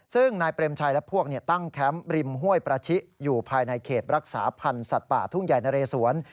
ซึ่งนายเปรมชัยและพวกตั้งแคมป์ริมห้วยประชิอยู่ภายในเขตรักษาพันธ์สัตว์ป่าทุ่งใหญ่นะเรสวน